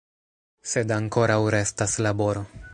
Sed ankoraŭ restas laboro.